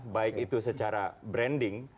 baik itu secara branding